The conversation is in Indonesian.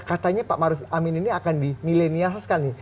katanya pak maruf amin ini akan di millennials kan nih